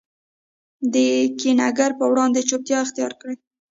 د کینه ګر په وړاندي چوپتیا اختیارکړئ!